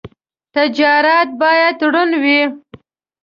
تجارت باید روڼ وي.